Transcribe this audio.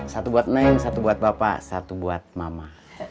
satu buat neng satu buat bapak satu buat mama